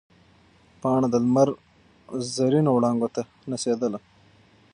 پاڼه د لمر زرینو وړانګو ته نڅېدله.